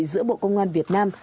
giữa bộ công an việt nam